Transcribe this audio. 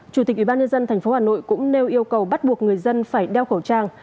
chủ tịch ubnd tp hà nội cũng nêu yêu cầu bắt buộc người dân phải đeo khẩu trang